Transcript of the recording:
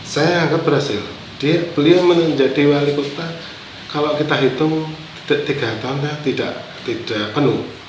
saya anggap berhasil beliau menjadi wali kota kalau kita hitung tiga tahun ya tidak penuh